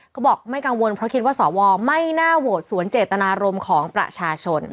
เขาบอกไม่กังวลเพราะคิดว่าสวไม่น่าโหวตสวนเจตนารมณ์ของประชาชน